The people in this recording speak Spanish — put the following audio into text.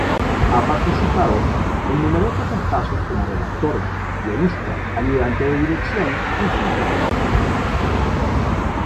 Ha participado en numerosos espacios como redactor, guionista, ayudante de dirección y subdirector.